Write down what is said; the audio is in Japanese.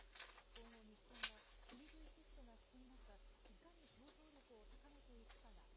今後、日産はＥＶシフトが進む中、いかに競争力を高めていくかが課題となります。